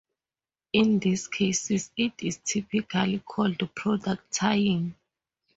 In these cases it is typically called product tying.